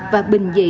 và bình thường